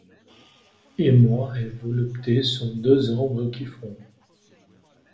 Et Mort et Volupté sont deux ombres qui font